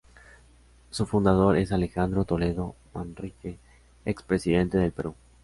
Su fundador es Alejandro Toledo Manrique, ex Presidente del Perú.